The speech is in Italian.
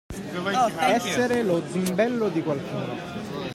Essere lo zimbello di qualcuno.